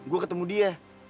gue ketemu dia